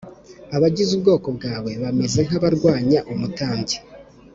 Abagize ubwoko bwawe bameze nk abarwanya umutambyi